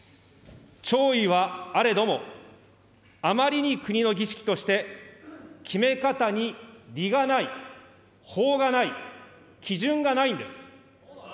弔意はあれども、あまりに国の儀式として決め方に理がない、法がない、基準がないんです。